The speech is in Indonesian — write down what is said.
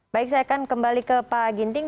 baik saya akan kembali ke pak ginting